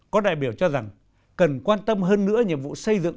có đại biểu cho rằng cần quan tâm hơn nữa nhiệm vụ xây dựng